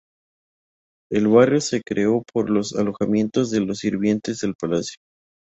El barrio se creó por los alojamientos de los sirvientes del palacio.